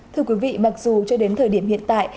thưa quý vị mặc dù cho đến thời điểm hiện tại